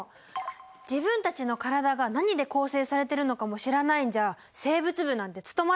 自分たちの体が何で構成されてるのかも知らないんじゃ生物部なんて務まらないよ。